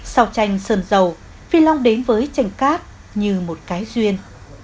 sau tranh sơn dầu phi long đến với tranh cát như một cái duyên